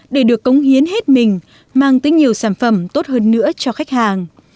để được cống hiến hết mình mang tới nhiều sản phẩm tốt hơn nữa cho khách hàng